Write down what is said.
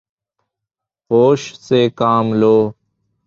ہوش سے کام لو